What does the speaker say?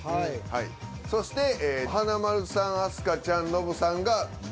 そして華丸さん明日香ちゃんノブさんがＢ。